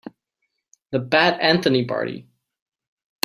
The Pat Anthony Party.